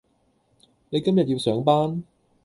你今日要上班?